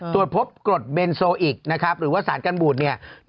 ตรวจพบกรดเบนโซอิกหรือว่าสารกันบูรณ์